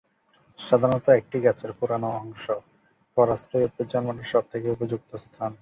সাধারণত, একটি গাছের পুরানো অংশ পরাশ্রয়ী উদ্ভিদ জন্মানোর সব থেকে উপযুক্ত স্থান।